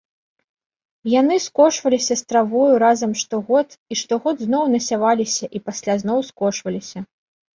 Яны скошваліся з травою разам штогод і штогод зноў насяваліся і пасля зноў скошваліся.